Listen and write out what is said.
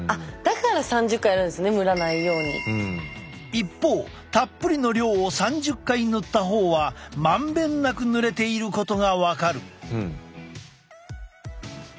一方たっぷりの量を３０回塗った方は満遍なく塗れていることが分かる。